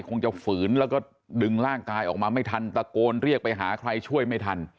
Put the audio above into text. คงจะฝืนแล้วก็ดึงร่างกายออกมาไม่ทันตะโกนเรียกไปหาใครช่วยไม่ทัน